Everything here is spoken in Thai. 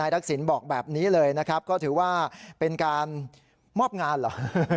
นายทักษิณก็ว่าก็ถือว่าเป็นการมอบงานหรือ